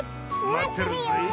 まってるよ！